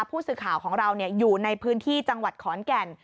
ผู้สื่อข่าวของเราอยู่ในพื้นที่จังหวัดขอนแก่น